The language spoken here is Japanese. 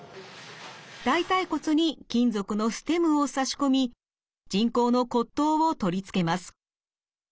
大腿骨に金属のステムを差し込み人工の骨頭を取り付けます。